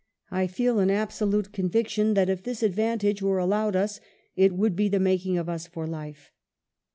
I feel an absolute conviction that if this advantage were allowed us, it would be the making of us for life.